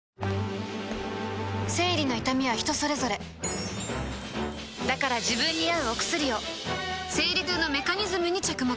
生理の痛みは人それぞれだから自分に合うお薬を生理痛のメカニズムに着目